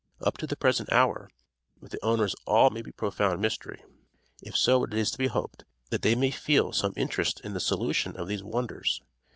Up to the present hour, with the owners all may be profound mystery; if so, it is to be hoped, that they may feel some interest in the solution of these wonders.